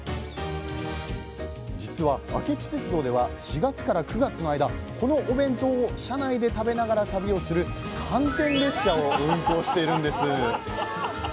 実は明知鉄道では４月から９月の間このお弁当を車内で食べながら旅をする「寒天列車」を運行してるんです！